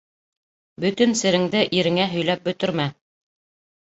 Бөтөн сереңде иреңә һөйләп бөтөрмә.